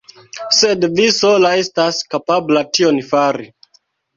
Sed vi sola estas kapabla tion fari.